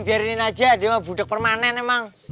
biarin aja dia budek permanen emang